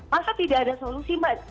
maka tidak ada solusi mbak